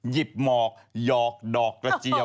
หยิบหมอกหยอกดอกกระเจียว